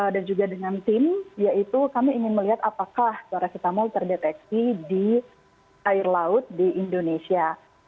dan juga dengan tim yaitu kami ingin melihat apakah parasetamol terdeteksi di air laut di indonesia